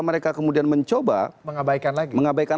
mereka kemudian mencoba mengabaikan